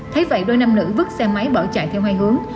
thấy vậy đôi nam nữ xe máy bỏ chạy theo hai hướng